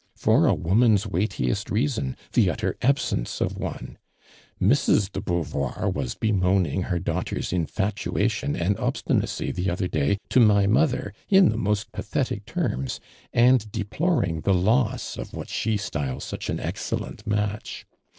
'' For a woman's weightiest reason— tho utter absence of one. Mrs. do Beauvoir was bemoaning her daugliter's infatuation ami obstinacy tho other day, to my mother, in the most pathetic terms, and deploring the loss of what she styles such an excellent match.